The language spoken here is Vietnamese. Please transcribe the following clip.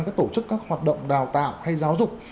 các tổ chức các hoạt động đào tạo hay giáo dục